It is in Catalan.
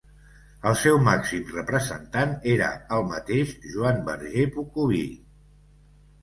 El seu màxim representant era el mateix Joan Verger Pocoví.